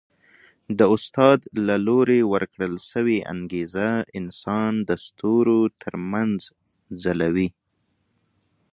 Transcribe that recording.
د استاد له لوري ورکړل سوی انګېزه انسان د ستورو تر منځ ځلوي.